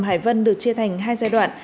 hầm hải văn được chia thành hai giai đoạn